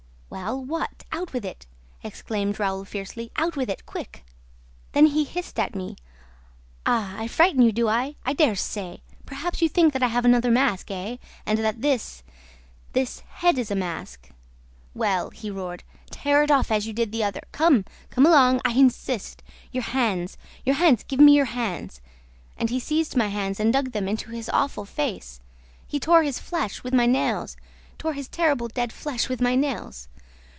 "Well, what? Out with it!" exclaimed Raoul fiercely. "Out with it, quick!" "Then he hissed at me. 'Ah, I frighten you, do I? ... I dare say! ... Perhaps you think that I have another mask, eh, and that this ... this ... my head is a mask? Well,' he roared, 'tear it off as you did the other! Come! Come along! I insist! Your hands! Your hands! Give me your hands!' And he seized my hands and dug them into his awful face. He tore his flesh with my nails, tore his terrible dead flesh with my nails!